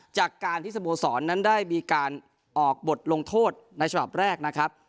จากการที่สโมสรนั้นได้มีการออกบทลงโทษในฉบับแรกนะครับ